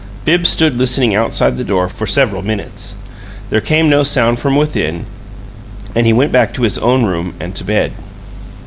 Bibbs stood listening outside the door for several minutes. There came no sound from within, and he went back to his own room and to bed.